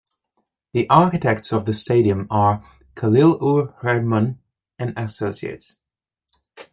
The architects of the stadium are Khalil-ur-Rehman and Associates.